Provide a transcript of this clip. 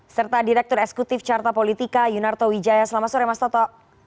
serta direktur eksekutif carta politika yunarto wijaya selamat sore mas toto